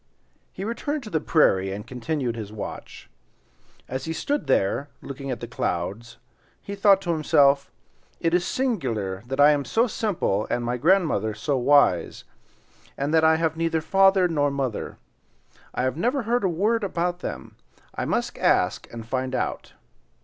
He returned to the prairie and continued his watch. As he stood there looking at the clouds he thought to himself, "It is singular that I am so simple and my grandmother so wise; and that I have neither father nor mother. I have never heard a word about them. I must ask and find out."